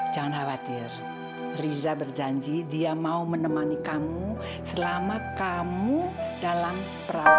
jangan khawatir riza berjanji dia mau menemani kamu selama kamu dalam perang